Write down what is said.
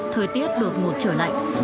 thời tiết được ngột trở lạnh